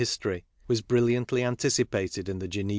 i6 KARL MARX history was brilliantly anticipated in the Gene.